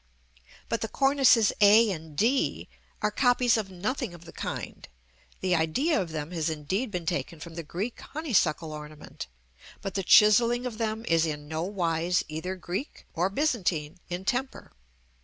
But the cornices a and d are copies of nothing of the kind: the idea of them has indeed been taken from the Greek honeysuckle ornament, but the chiselling of them is in no wise either Greek, or Byzantine, in temper.